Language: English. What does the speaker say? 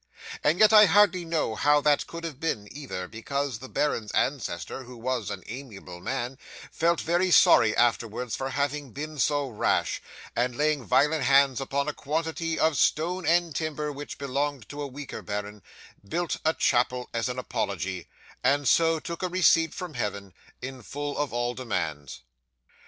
And yet I hardly know how that could have been, either, because the baron's ancestor, who was an amiable man, felt very sorry afterwards for having been so rash, and laying violent hands upon a quantity of stone and timber which belonged to a weaker baron, built a chapel as an apology, and so took a receipt from Heaven, in full of all demands.